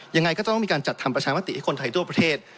ยังไงก็จะต้องมีการจัดทำประชามติให้คนไทยทั่วประเทศ